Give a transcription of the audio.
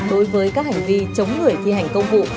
đối với các hành vi chống người thi hành công vụ